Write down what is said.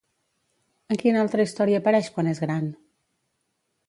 En quina altra història apareix quan és gran?